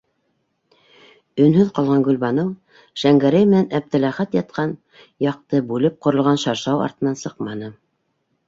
Өнһөҙ ҡалған Гөлбаныу Шәңгәрәй менән Әптеләхәт ятҡан яҡты бүлеп ҡоролған шаршау артынан сыҡманы;